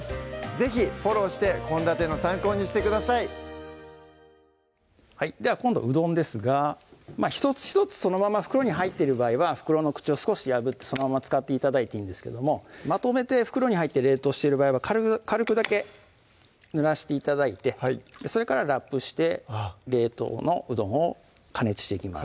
是非フォローして献立の参考にしてくださいでは今度うどんですが１つ１つそのまま袋に入ってる場合は袋の口を少し破ってそのまま使って頂いていいんですけどもまとめて袋に入って冷凍している場合は軽くだけぬらして頂いてそれからラップして冷凍のうどんを加熱していきます